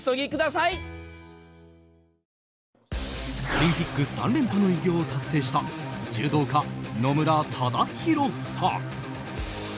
オリンピック３連覇の偉業を達成した柔道家・野村忠宏さん。